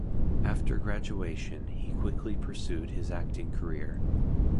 After graduation, he quickly pursued his acting career.